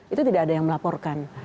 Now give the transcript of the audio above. itu tidak ada yang melaporkan